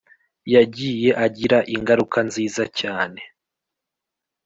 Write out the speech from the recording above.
yagiye agira ingaruka nziza cyane